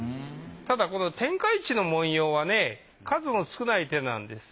ただこの天下一の文様はね数の少ない手なんです。